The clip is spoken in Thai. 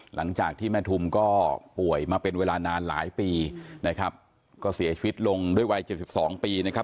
หลังจากที่แม่ทุมก็ป่วยมาเป็นเวลานานหลายปีนะครับก็เสียชีวิตลงด้วยวัยเจ็ดสิบสองปีนะครับ